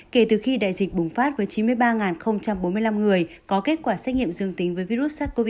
kể từ khi đại dịch bùng phát với chín mươi ba bốn mươi năm người có kết quả xét nghiệm dương tính với virus sars cov hai